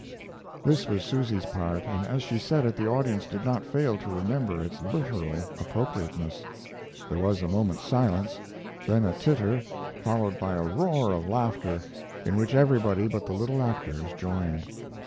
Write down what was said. This was Susy's part, and as she said it the audience did not fail to remember its literal appropriateness. There was a moment's silence, then a titter, followed by a roar of laughter, in which everybody but the little actors joined.